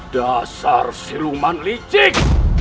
dasar siluman licik